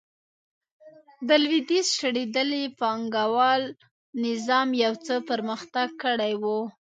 د لوېدیځ شړېدلي پانګوال نظام یو څه پرمختګ کړی و.